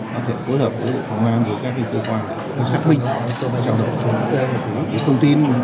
có thể phối hợp với đội công an